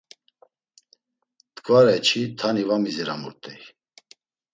T̆ǩvare çi, tani var miziramurt̆ey!